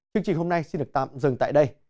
chương trình hôm nay xin được tạm dừng tại đây